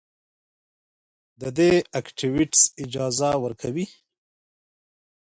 د دې ايکټويټيز اجازت ورکوي